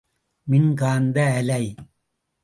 மின் காந்த அலை.